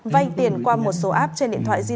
vay tiền qua một số app trên điện thoại